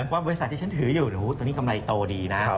ว่าบริษัทที่ฉันถืออยู่ตอนนี้กำไรโตดีนะ